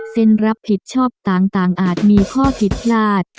รับผิดชอบต่างอาจมีข้อผิดพลาด